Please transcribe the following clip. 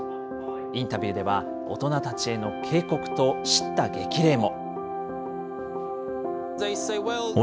インタビューでは、大人たちへの警告としった激励も。